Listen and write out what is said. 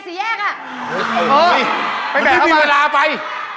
ไปแผลมูลละมาร่าไป